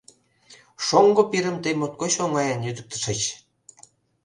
Шоҥго пирым тый моткоч оҥайын лӱдыктышыч.